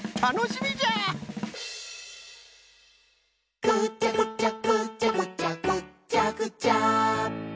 「ぐちゃぐちゃぐちゃぐちゃぐっちゃぐちゃ」